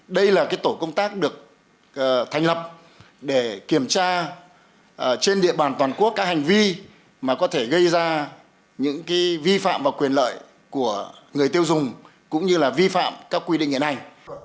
đây là tổ công tác được thành lập để kiểm tra trên địa bàn toàn quốc các hành vi mà có thể gây ra những vi phạm và quyền lợi của người tiêu dùng cũng như là vi phạm các quy định hiện hành